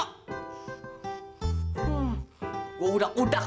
hmm gue udak udak